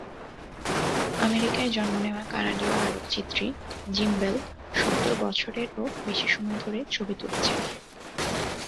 আমেরিকায় জন্ম নেওয়া কানাডীয় আলোকচিত্রী যিমবেল সত্তর বছরেরও বেশি সময় ধরে ছবি তুলেছেন।